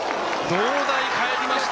農大、帰りました。